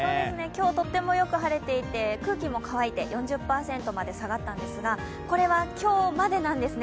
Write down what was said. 今日とってもよく晴れていて空気も乾いて４０％まで下がったんですが、これは今日までなんです。